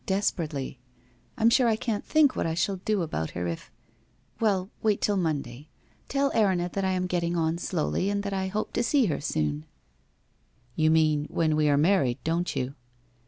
Desperately. I'm sure I can't think what I shall do about her, if . Well, wait till Monday. Tell Erinna that I am getting on slowly, and that I hope to see her soon/ ' You mean when we are married, don't you